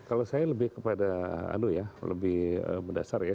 kalau saya lebih kepada aduh ya lebih berdasar ya